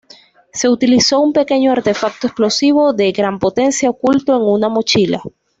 Se utilizó un pequeño artefacto explosivo de gran potencia, oculto en una mochila.